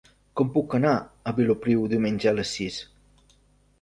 Com puc anar a Vilopriu diumenge a les sis?